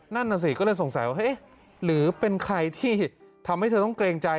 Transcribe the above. นั่นน่ะสิก็เลยสงสัยว่าเอ๊ะหรือเป็นใครที่ทำให้เธอต้องเกรงใจ